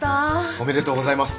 おめでとうございます。